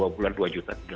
dua bulan dua juta